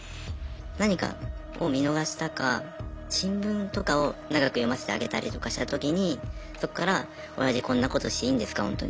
何かを見逃したか新聞とかを長く読ませてあげたりとかしたときにそっからオヤジこんなことしていいんですかほんとに。